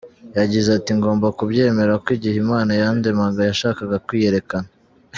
Yagize ati “Ngomba kubyemera ko igihe Imana yandemaga yashakaga kwiyerekana”.